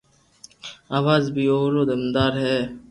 آواز بي او رو دمدار ھي